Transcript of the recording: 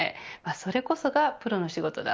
それこそがプロの仕事だ。